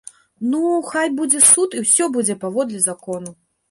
Ну, хай будзе суд і ўсё будзе паводле закону!